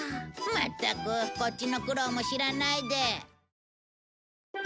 まったくこっちの苦労も知らないで